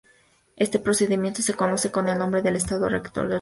Este procedimiento se conoce con el nombre de Estado Rector del Puerto.